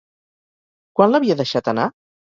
Quan l'havia deixat anar?